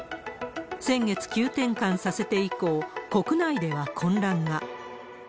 先月、急転換させて以降、国内では混乱が。